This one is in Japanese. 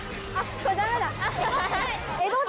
これダメだ。